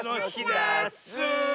ダス！